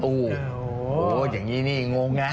โอ้โหอย่างนี้นี่งงนะ